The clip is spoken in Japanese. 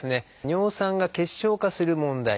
尿酸が結晶化する問題。